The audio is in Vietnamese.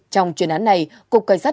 trong chuyên án này cục cảnh sát